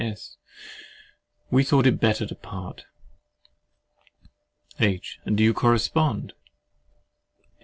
S. We thought it better to part. H. And do you correspond?